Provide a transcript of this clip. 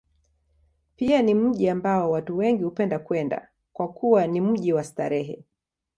Pia ni mji ambao watu wengi hupenda kwenda, kwa kuwa ni mji wa starehe.